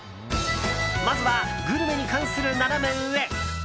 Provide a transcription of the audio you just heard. まずは、グルメに関するナナメ上。